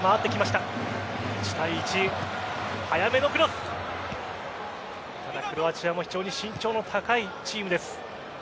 ただ、クロアチアも非常に身長の高いチームです。